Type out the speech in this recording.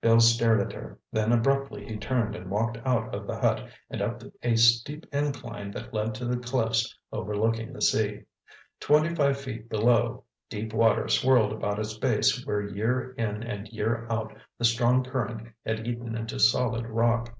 Bill stared at her. Then abruptly he turned and walked out of the hut and up a steep incline that led to the cliffs overlooking the sea. Twenty five feet below, deep water swirled about its base where year in and year out the strong current had eaten into solid rock.